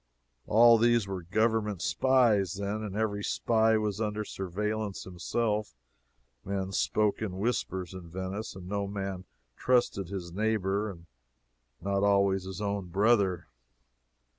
All these were Government spies, then, and every spy was under surveillance himself men spoke in whispers in Venice, and no man trusted his neighbor not always his own brother.